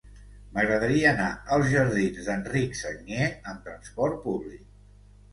M'agradaria anar als jardins d'Enric Sagnier amb trasport públic.